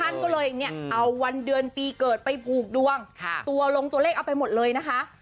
ท่านก็เลยเนี่ยเอาวันเดือนปีเกิดไปผูกดวงตัวลงตัวเลขเอาไปหมดเลยนะคะ